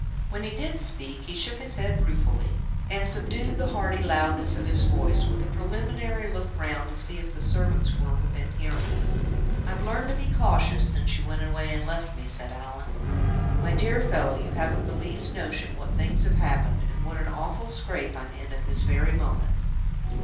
When he did speak, he shook his head ruefully, and subdued the hearty loudness of his voice, with a preliminary look round to see if the servants were within hearing. "I've learned to be cautious since you went away and left me," said Allan. "My dear fellow, you haven't the least notion what things have happened, and what an awful scrape I'm in at this very moment!"